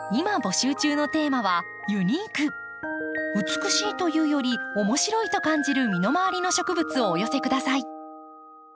美しいというより面白いと感じる身の回りの植物をお寄せ下さい。